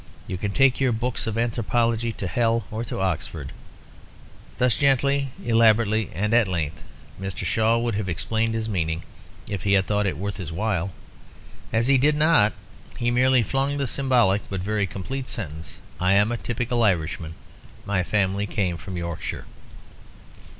You can take your books of anthropology to hell or to Oxford." Thus gently, elaborately and at length, Mr. Shaw would have explained his meaning, if he had thought it worth his while. As he did not he merely flung the symbolic, but very complete sentence, "I am a typical Irishman; my family came from Yorkshire."